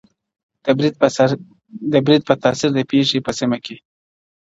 د برید په تاثر د پېښي په سیمه کي